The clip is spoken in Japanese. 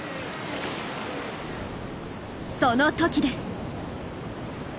その時です。